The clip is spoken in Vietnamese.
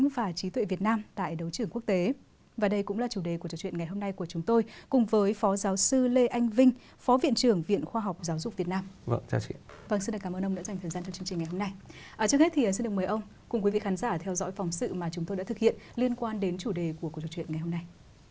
và trước hết thì xin được mời ông cùng quý vị khán giả theo dõi phòng sự mà chúng tôi đã thực hiện liên quan đến chủ đề của cuộc trò chuyện ngày hôm nay